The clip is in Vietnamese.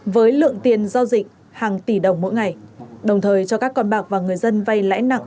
với lượng tiền giao dịch hàng tỷ đồng mỗi ngày đồng thời cho các con bạc và người dân vay lãi nặng